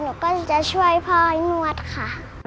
หนูก็จะช่วยพ่อให้นวดค่ะ